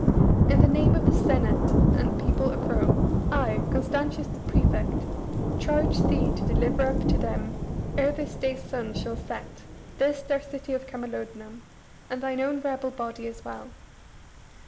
In the name of the Senate and People of Rome, I, Constantius the prefect, charge thee to deliver up to them ere this day's sun shall set, this, their City of Camalodunum, and thine own rebel body as well.